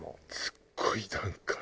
すっごいなんか。